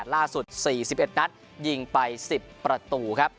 ล่าสุด๔๑นัดยิงไป๑๐ประตูครับ